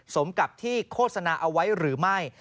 สมกับที่โฆษณาเอาไว้หรือไม่